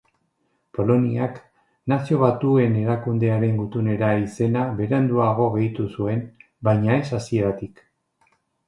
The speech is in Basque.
Poloniak Nazio Batuen Erakundearen gutunera izena beranduago gehitu zuen, baina ez hasieratik.